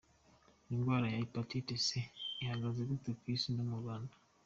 Indwara ya ‘Hepatite C’ ihagaze gute ku Isi no mu Rwanda?.